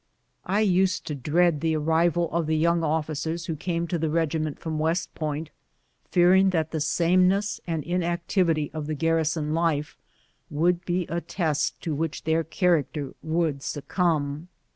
I used to dread the arrival of the young officers who came to the regiment from West Point, fearing that the sameness and inactivity of the garrison life would be a test to which their character would succumb.